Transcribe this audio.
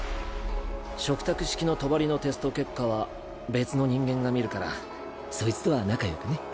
嘱託式の帳のテスト結果は別の人間が見るからそいつとは仲よくね